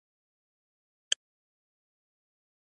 د افغانستان ځوانان په نورو هیوادونو کې ژوند کوي.